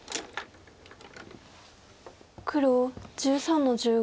黒１３の十五。